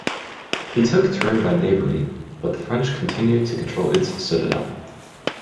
He took Turin by knavery, but the French continued to control its citadel.